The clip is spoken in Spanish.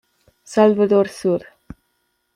Salvador Sur.